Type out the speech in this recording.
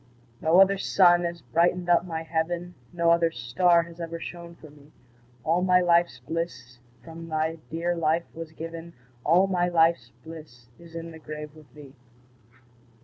No other sun has brightened up my heaven, No other star has ever shone for me; All my life's bliss from thy dear life was given, All my life's bliss is in the grave with thee.